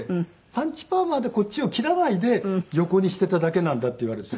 「パンチパーマでこっちを切らないで横にしていただけなんだ」って言われて。